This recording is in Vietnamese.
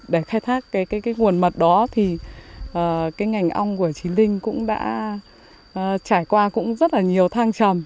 để khai thác nguồn mật đó ngành ong của chí linh cũng đã trải qua rất nhiều thang trầm